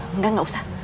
enggak gak usah